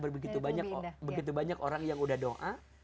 karena begitu banyak orang yang udah doa